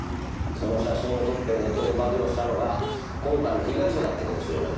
その写真を撮ってネットで暴露したのが今回の被害者だったかもしれない。